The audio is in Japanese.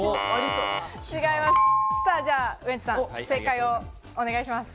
ではウエンツさん、正解をお願いします。